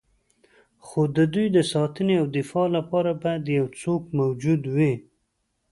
خو د دوی د ساتنې او دفاع لپاره باید یو څوک موجود وي.